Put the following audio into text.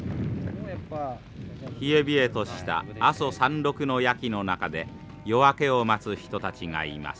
冷え冷えとした阿蘇山麓の夜気の中で夜明けを待つ人たちがいます。